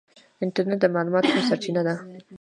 انټرنیټ د معلوماتو سرچینه ده.